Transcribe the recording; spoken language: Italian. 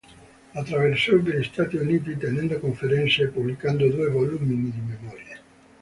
Attraversò gli Stati Uniti tenendo conferenze e pubblicando due volumi di memorie.